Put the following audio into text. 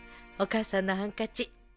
お母さんのハンカチ」